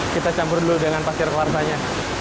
kita campur dulu dengan pasir kelarsanya